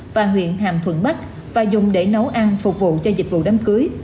và huyện hàm thuận bắc và dùng để nấu ăn phục vụ cho dịch vụ đám cưới